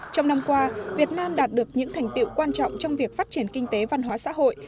trong năm qua việt nam đạt được những thành tiệu quan trọng trong việc phát triển kinh tế văn hóa xã hội